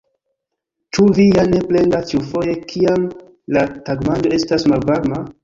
Ĉu vi ja ne plendas ĉiufoje, kiam la tagmanĝo estas malvarma?